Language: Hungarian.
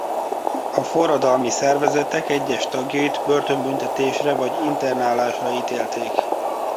A forradalmi szervezetek egyes tagjait börtönbüntetésre vagy internálásra ítélték.